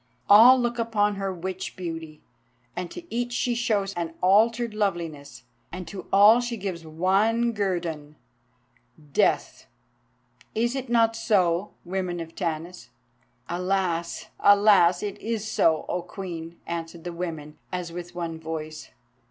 All look upon her witch beauty, and to each she shows an altered loveliness, and to all she gives one guerdon—Death! Is it not so, women of Tanis?" "Alas! alas! it is so, O Queen," answered the women as with one voice.